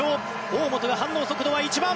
大本が反応速度は１番。